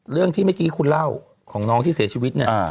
เรื่องที่เมื่อกี้คุณเล่าของน้องที่เสียชีวิตเนี่ย